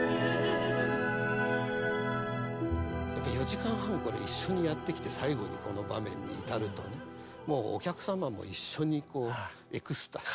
４時間半これ一緒にやってきて最後にこの場面に至るとねもうお客様も一緒にこうエクスタシー。